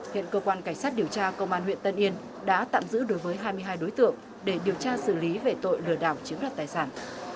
hiện cơ quan cảnh sát điều tra công an huyện tân yên đã tạm giữ đối với hai mươi hai đối tượng để điều tra xử lý về tội lừa đảo chiếm đoạt tài sản